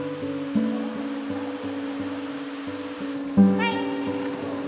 はい！